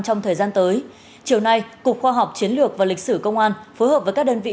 trong thời gian tới chiều nay cục khoa học chiến lược và lịch sử công an phối hợp với các đơn vị